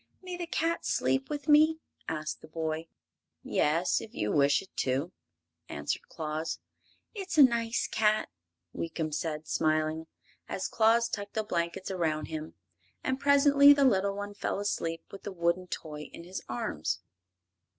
"May the cat sleep with me?" asked the boy. "Yes, if you wish it to," answered Claus. "It's a nice cat!" Weekum said, smiling, as Claus tucked the blankets around him; and presently the little one fell asleep with the wooden toy in his arms.